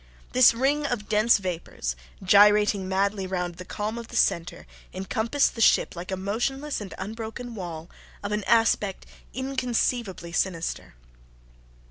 This ring of dense vapours, gyrating madly round the calm of the centre, encompassed the ship like a motionless and unbroken wall of an aspect inconceivably sinister.